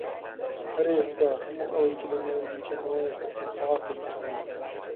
هەر ئێستا، هەموو ئەوەی کە دەمەوێت بیکەم ئەوەیە کە چەند سەعاتێک بخەوم.